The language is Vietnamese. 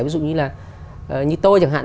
ví dụ như là như tôi chẳng hạn